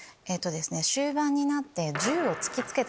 終盤になって。